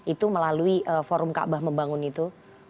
itu melalui forum kaabah membangun itu